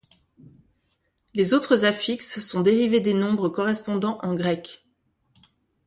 Les autres affixes sont dérivés des nombres correspondants en grec.